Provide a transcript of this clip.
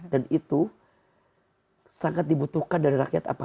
dan itu sangat dibutuhkan dari rakyat apa